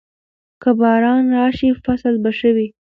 که باران راشي، فصل به ښه وي.